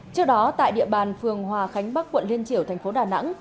trước đó tại địa bàn phường hòa khánh bắc quận liên triểu thành phố đà nẵng